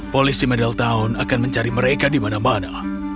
polisi middletown akan mencari mereka di mana mana